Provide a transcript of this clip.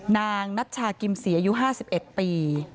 นางนัชชากิมศรีอายุ๕๑ปี